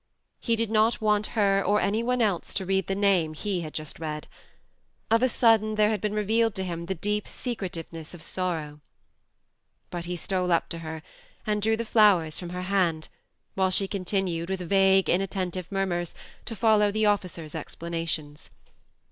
He did not want her, or any one else, to read the name he had just read ; of a sudden there had been revealed to him the deep secretiveness of sorrow. But he stole up to her and drew the flowers from her hand, while she continued, with vague inattentive murmurs, to follow the officer's explanations.